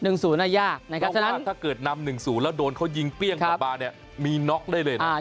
ต้องว่าถ้าเกิดนำ๑๐แล้วโดนเขายิงเปรี้ยงหลับมาเนี่ยมีน็อคได้เลยนะ